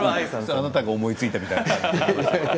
あなたが思いついたみたいな。